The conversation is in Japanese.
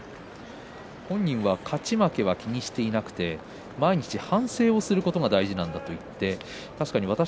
本人は勝ち負けは気にしていなくて毎日反省をすることが大事だということを言っています。